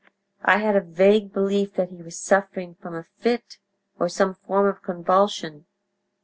I had a vague belief that he was suffering from a fit or some form of convulsion.